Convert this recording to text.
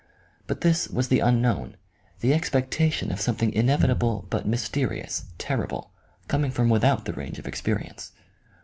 But this was the unknown, the expectation of something inevitable but mysterious, terri ble, coming from without the range of experience.